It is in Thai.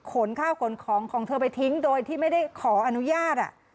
ขนข้าวขนของของเธอไปทิ้งโดยที่ไม่ได้ขออนุญาต